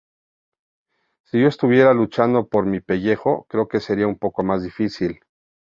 Si yo estuviera luchando por mi pellejo, creo que sería un poco más difícil.